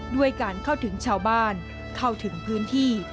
ด้วยการเข้าถึงชาวบ้านเข้าถึงพื้นที่